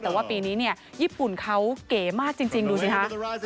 แต่ว่าปีนี้เนี่ยญี่ปุ่นเขาเก๋มากจริงดูสิคะ